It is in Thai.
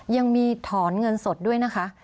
ยังมีถอนเงินสดด้วยนะคะ